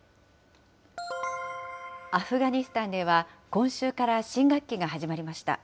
アフガニスタンでは、今週から新学期が始まりました。